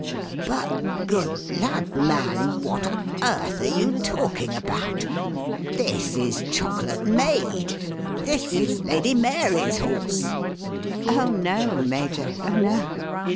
"But, good lud, man, what on earth are you talking about? This is Chocolate Maid this is Lady Mary's horse." "Oh, no, Major, oh, no!